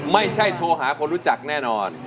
ไม่ใช่โทรหาคนรู้จักแน่นอน